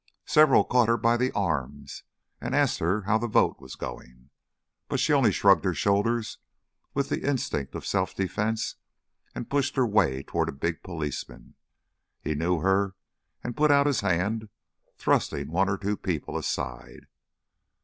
Several caught her by the arms, and asked her how the vote was going; but she only shrugged her shoulders with the instinct of self defence and pushed her way toward a big policeman. He knew her and put out his hand, thrusting one or two people aside.